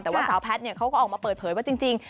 แต่ว่าสาวแพทย์เขาก็ออกมาเปิดเผยว่าจริง